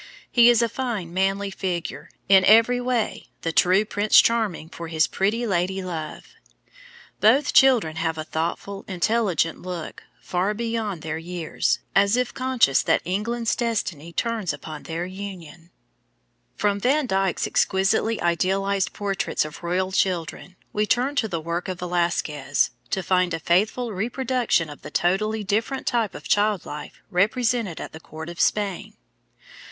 He is a fine, manly figure, in every way the true Prince Charming for his pretty lady love. Both children have a thoughtful, intelligent look, far beyond their years, as if conscious that England's destiny turns upon their union. [Illustration: PRINCESS MARY AND PRINCE OF ORANGE. VAN DYCK.] From Van Dyck's exquisitely idealized portraits of royal children we turn to the work of Velasquez, to find a faithful reproduction of the totally different type of child life represented at the court of Spain.